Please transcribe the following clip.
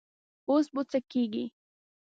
اوس به څه کيږي؟